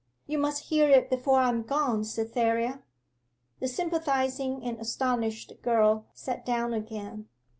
you must hear it before I am gone, Cytherea.' The sympathizing and astonished girl sat down again.